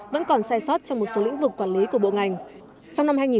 vẫn còn sai sót trong một số lĩnh vực quản lý của bộ ngành